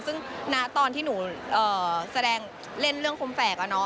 ซึ่งณตอนที่หนูแสดงเล่นเรื่องคมแฝก